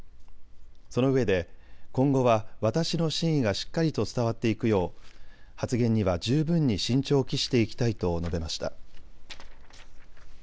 そのうえで今後は私の真意がしっかりと伝わっていくよう発言には十分に慎重を期していきたいと述べました。